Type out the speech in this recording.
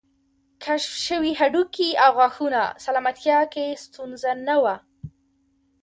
کشف شوي هډوکي او غاښونه سلامتیا کې ستونزه نه وه